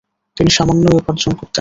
তিনি সামান্যই উপার্জন করতেন।